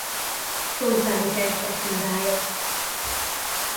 Csontváry perspektívája.